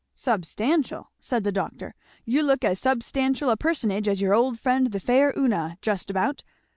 "Substantial!" said the doctor; "you look as substantial a personage as your old friend the 'faire Una,' just about.